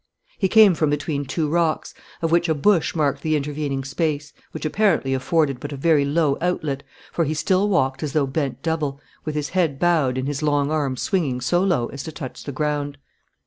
He came from between two rocks, of which a bush marked the intervening space, which apparently afforded but a very low outlet, for he still walked as though bent double, with his head bowed and his long arms swinging so low as to touch the ground.